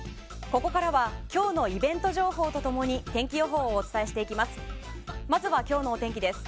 ここからは今日のイベント情報と共に天気予報をお伝えしていきます。